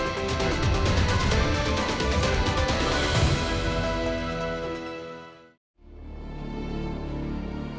seharga sembilan puluh lima atau sepuluh ribu pun sudah luar biasa